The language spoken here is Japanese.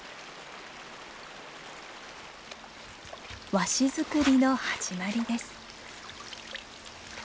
和紙作りの始まりです。